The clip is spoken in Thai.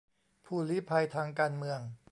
ผู้ลี้ภัยทางการเมือง